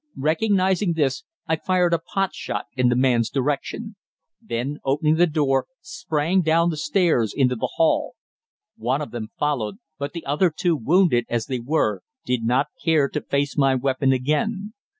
Recognising this, I fired a pot shot in the man's direction; then, opening the door, sprang down the stairs into the hall. One of them followed, but the other two, wounded as they were, did not care to face my weapon again.